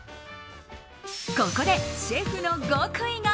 ここでシェフの極意が。